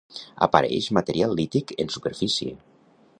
Apareix material lític en superfície.